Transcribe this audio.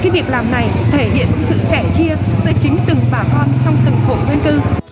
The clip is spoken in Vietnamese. việc làm này thể hiện sự sẻ chia giữa chính từng bà con trong từng khổ nguyên cư